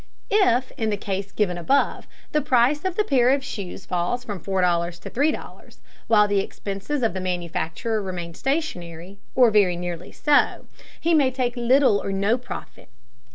If, in the case given above, the price of the pair of shoes falls from $4.00 to $3.00, while the expenses of the manufacturer remain stationary, or very nearly so, he may make little or no profit.